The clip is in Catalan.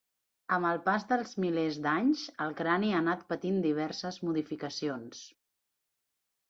Amb el pas dels milers d’anys, el crani ha anat patint diverses modificacions.